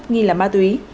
nghi là ma túy